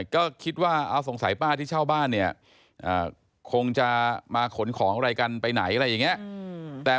ก็คิดว่าสงสัยป้าที่เช่าบ้านเนี่ยคงจะมาขนของอะไรกันไปไหนอะไรอย่างนี้